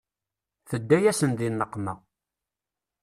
Tedda-yasen di nneqma.